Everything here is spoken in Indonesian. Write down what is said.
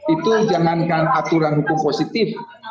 itu jangankan aturan hukum positif